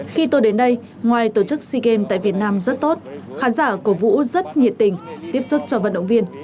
khi tôi đến đây ngoài tổ chức sea games tại việt nam rất tốt khán giả cổ vũ rất nhiệt tình tiếp sức cho vận động viên